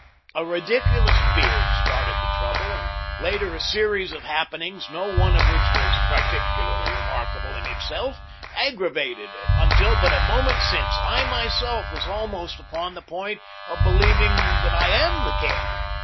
A ridiculous beard started the trouble, and later a series of happenings, no one of which was particularly remarkable in itself, aggravated it, until but a moment since I myself was almost upon the point of believing that I am the king.